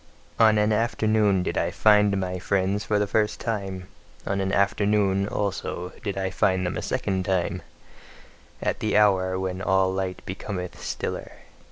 On an afternoon did I find my friends for the first time; on an afternoon, also, did I find them a second time: at the hour when all light becometh stiller.